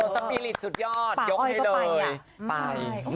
สปีริตสุดยอดยกให้เลยไป